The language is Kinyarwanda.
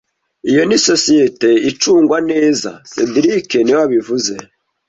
Iyo ni sosiyete icungwa neza cedric niwe wabivuze